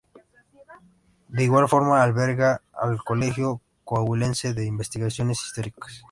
De igual forma alberga al Colegio Coahuilense de Investigaciones Históricas.